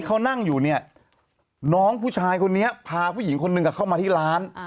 เขานั่งอยู่เนี่ยน้องผู้ชายคนนี้พาผู้หญิงคนหนึ่งเข้ามาที่ร้าน